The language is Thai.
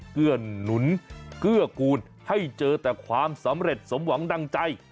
เกื้อนหนุนเกื้อกูลให้เจอแต่ความสำเร็จสมหวังดังใจ